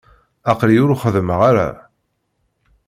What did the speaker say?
Aql-iyi ur xeddmeɣ ara.